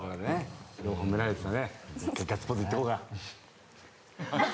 褒められてたねガッツポーズいっとこうか。